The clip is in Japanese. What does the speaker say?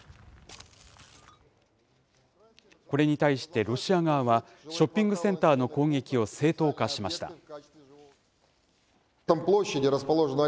これに対してロシア側は、ショッピングセンターの攻撃を正当化しました。